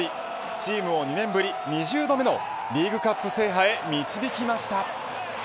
チームを２年ぶり２０度目のリーグカップ制覇へ導きました。